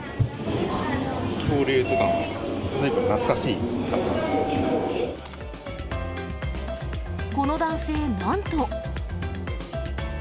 恐竜図鑑、ずいぶん懐かしいこの男性、なんと。